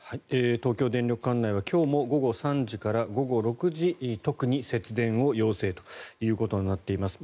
東京電力管内は今日も午後３時から午後６時特に節電を要請ということになっています。